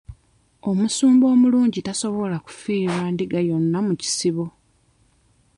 Omusumba omulungi tasobola kufiirwa ndiga yonna mu kisibo.